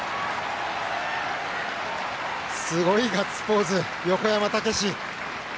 すごいガッツポーズ、横山武史。